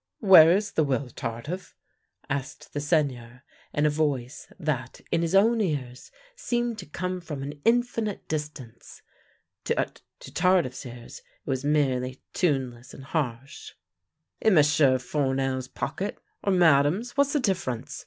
Where is the will, Tardif? " asked the Seigneur in a voice that, in his own ears, seemed to come from an infinite distance. To Tardif's ears it was merely tune less and harsh. "In M'sieu' Fournel's pocket — or Madame's! What's the difference?